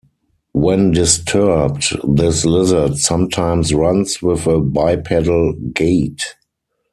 When disturbed this lizard sometimes runs with a bipedal gait.